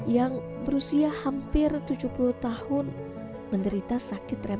yang berusia hampir tujuh puluh tahun menderita sakit rem